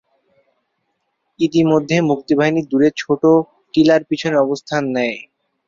ইতিমধ্যে মুক্তিবাহিনী দূরে ছোট টিলার পিছনে অবস্থান নেয়।